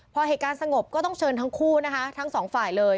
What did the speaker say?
พอเหตุการณ์สงบก็ต้องเชิญทั้งคู่นะคะทั้งสองฝ่ายเลย